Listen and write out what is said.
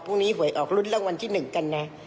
พรุ่งนี้หวยออกรุ้นรางวัลที่๑กันนะ